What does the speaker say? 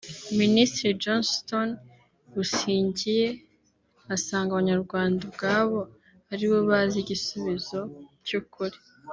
Minisitiri Johnston Busingye asanga abanyarwanda ubwabo ari bo bazi igisubizo cy’ukuri